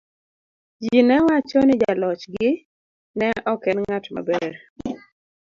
Ji ne wacho ni jalochgi ne ok en ng'at maber.